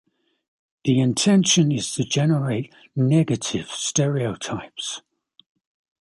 The intention is to generate negative stereotypes.